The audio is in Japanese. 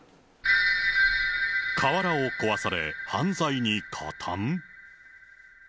瓦を壊され、犯罪に加担？